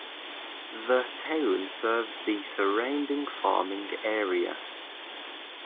The town serves the surrounding farming area.